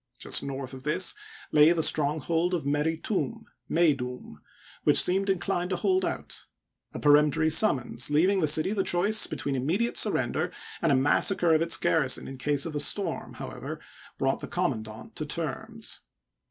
Just north of this lay the stronghold of Meri Tum (Meydoum), which seemed inclined to hold out. A peremptory summons, leaving the city the choice between immediate surrender and a massacre of its garrison in case of a storm, however, brought the commandant to terms.